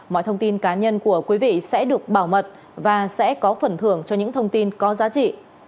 mọi thông tin cá nhân của quý vị sẽ được bảo mật và sẽ có phần thưởng cho những thông tin có giá trị